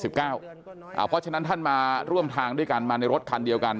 เพราะฉะนั้นท่านมาร่วมทางด้วยกันมาในรถคันเดียวกัน